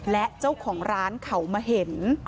และเจ้าของร้านเขามาเห็น